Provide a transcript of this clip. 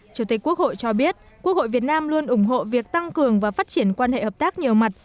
chủ tịch quốc hội cho biết quốc hội việt nam luôn ủng hộ việc tăng cường và phát triển quan hệ hợp tác nhiều mặt